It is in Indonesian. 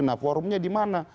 nah forumnya di mana